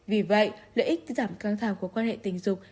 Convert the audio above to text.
vì vậy lợi ích giảm căng thẳng của quan hệ tình dục